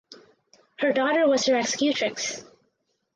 Her daughter was her executrix.